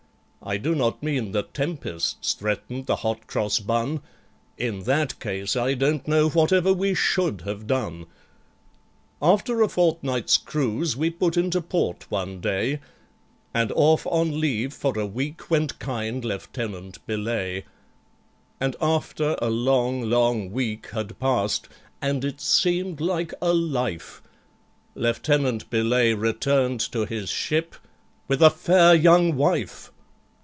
(I do not mean that tempests threatened the Hot Cross Bun: In that case, I don't know whatever we should have done!) After a fortnight's cruise, we put into port one day, And off on leave for a week went kind LIEUTENANT BELAYE, And after a long long week had passed (and it seemed like a life), LIEUTENANT BELAYE returned to his ship with a fair young wife!